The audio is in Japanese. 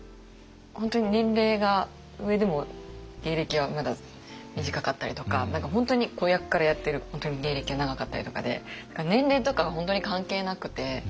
本当に年齢が上でも芸歴はまだ短かったりとか本当に子役からやってる芸歴が長かったりとかで年齢とか本当に関係なくて。